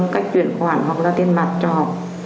cách chuyển khoản hoặc ra tiền bạc cho họ